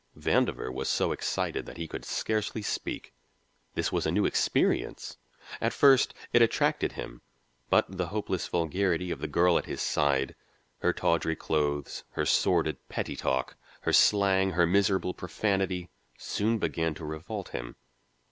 Vandover was so excited that he could scarcely speak. This was a new experience. At first it attracted him, but the hopeless vulgarity of the girl at his side, her tawdry clothes, her sordid, petty talk, her slang, her miserable profanity, soon began to revolt him.